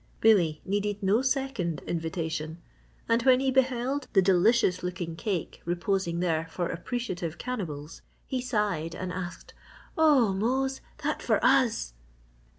Billy needed no second invitation and when he beheld the delicious looking cake reposing there for appreciative cannibals, he sighed and asked, "Oh, Mose! That for us!"